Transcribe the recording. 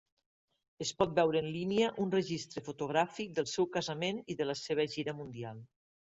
Es pot veure en línia un registre fotogràfic del seu casament i de la seva gira mundial.